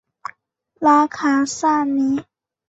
拉卡萨尼。